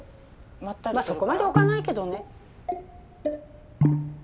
まあそこまで置かないけどね。